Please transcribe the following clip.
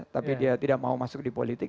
tapi dia tidak mau masuk di politik